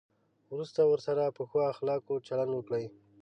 وروسته ورسره په ښو اخلاقو چلند وکړئ.